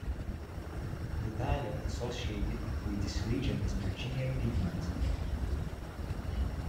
The dialect associated with this region is Virginia Piedmont.